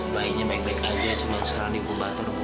bayinya baik baik aja cuma sekarang ibu batur bu